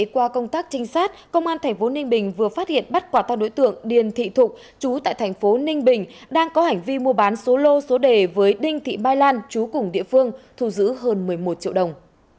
qua công tác trinh sát công an tp ninh bình vừa phát hiện bắt quả tăng đối tượng điền thị thục chú tại thành phố ninh bình đang có hành vi mua bán số lô số đề với đinh thị mai lan chú cùng địa phương thu giữ hơn một mươi một triệu đồng